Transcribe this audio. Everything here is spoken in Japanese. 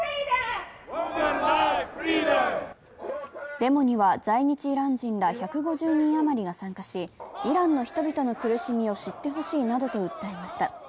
デモには在日イラン人ら１５０人あまりが参加しイランの人々の苦しみを知ってほしいなどと訴えました。